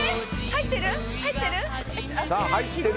入ってる？